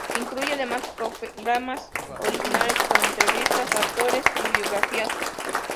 Incluye además programas originales como entrevistas a actores y biografías.